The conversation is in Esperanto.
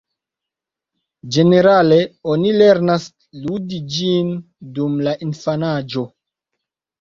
Ĝenerale, oni lernas ludi ĝin dum la infanaĝo.